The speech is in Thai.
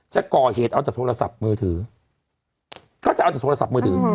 จะก่อเหตุเอาจากโทรศัพท์มือถือก็จะเอาจากโทรศัพท์มือถือ